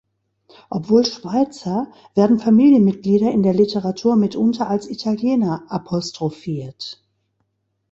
Obwohl Schweizer, werden Familienmitglieder in der Literatur mitunter als Italiener apostrophiert.